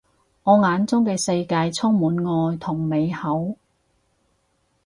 我眼中嘅世界充滿愛同美好